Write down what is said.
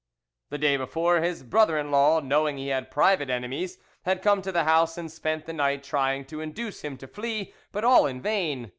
"The day before, his brother in law, knowing he had private enemies, had come to the house and spent the night trying to induce him to flee, but all in vain.